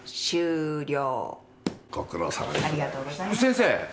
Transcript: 先生！